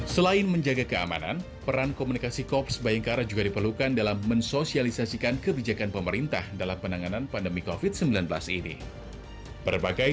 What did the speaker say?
selain menjaga keamanan peran komunikasi kops bayangkara juga diperlukan dalam mensosialisasikan kebijakan pemerintah dalam penanganan pandemi covid sembilan belas ini